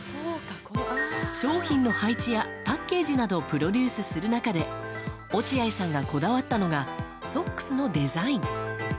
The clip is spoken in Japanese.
商品の配置やパッケージなどプロデュースする中で落合さんがこだわったのがソックスのデザイン。